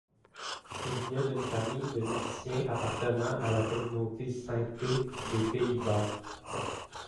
Il vient d'une famille de musiciens appartenant à la communauté sinté des Pays-Bas.